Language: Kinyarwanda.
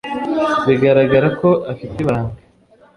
Bigaragara ko afite ibanga